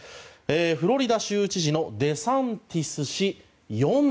フロリダ州知事のデサンティス氏４４歳。